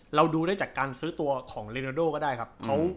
เราดูได้จากการซื้อตัวของเรนาโดก็ได้ครับ